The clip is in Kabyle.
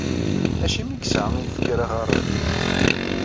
Acimi i yesɛa yifker aɣaref.